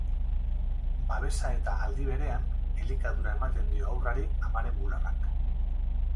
Babesa eta, aldi berean, elikadura ematen dio haurrari amaren bularrak.